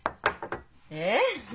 えっ？